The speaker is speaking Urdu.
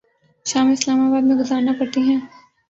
شامیں اسلام آباد میں گزارنا پڑتی ہیں۔